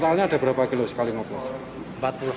totalnya ada berapa kilo sekali ngopong